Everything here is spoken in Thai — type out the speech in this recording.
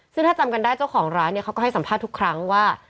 ซึ่งถ้าจำกันได้เจ้าของร้านเนี่ยเขาก็ให้สัมภาษณ์ทุกครั้งว่า